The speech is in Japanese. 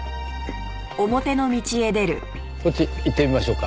こっち行ってみましょうか。